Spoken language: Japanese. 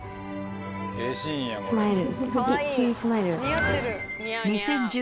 Ｔスマイル。